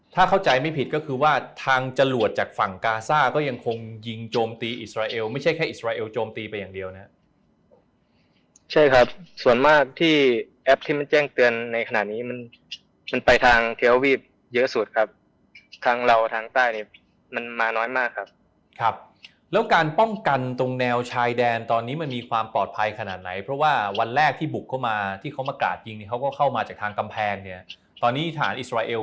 ถ้าเข้าใจไม่ผิดก็คือว่าทางจรวดจากฝั่งกาซ่าก็ยังคงยิงโจมตีอิสราเอลไม่ใช่แค่อิสราเอลโจมตีไปอย่างเดียวนะครับใช่ครับส่วนมากที่แอปที่มันแจ้งเตือนในขณะนี้มันไปทางเทียววีบเยอะสุดครับทางเราทางใต้มันมาน้อยมากครับครับแล้วการป้องกันตรงแนวชายแดนตอนนี้มันมีความปลอดภัยขนาดไหนเพร